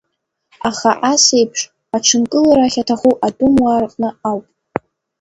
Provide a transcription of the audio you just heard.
Аха ас еиԥш аҽынкылара ахьаҭаху атәымуаа рҟны ауп.